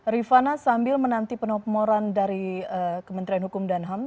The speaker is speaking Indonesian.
rifana sambil menanti penoporan dari kementerian hukum dan ham